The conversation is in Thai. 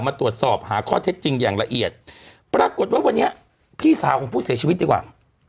มาตรวจสอบหาข้อเท็จจริงอย่างละเอียดปรากฏว่าวันนี้พี่สาวของผู้เสียชีวิตดีกว่า